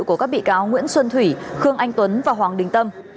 của các bị cáo nguyễn xuân thủy khương anh tuấn và hoàng đình tâm